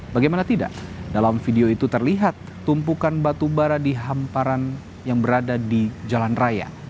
bagaimana tidak dalam video itu terlihat tumpukan batubara di hamparan yang berada di jalan raya